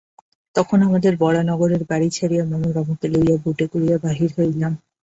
তখন আমাদের বরানগরের বাড়ি ছাড়িয়া মনোরমাকে লইয়া বোটে করিয়া বাহির হইলাম।